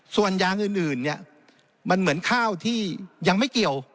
ส่วนยางอื่นเนี่ยมันเหมือนข้าวที่ยังไม่เกี่ยว